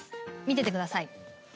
見ててください。